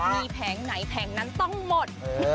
มีแผงไหนแผงนั้นต้องหมด